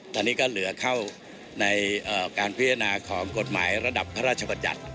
ตอนนี้ก็เหลือเข้าในการพิจารณาของกฎหมายระดับพระราชบัญญัติ